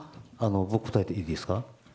僕が答えていいですか？